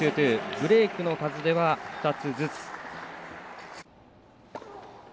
ブレークの数は２つずつ。